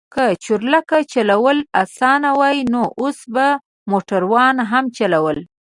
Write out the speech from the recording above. که چورلکه چلول اسانه وای نو اوس به موټروان هم چلوله.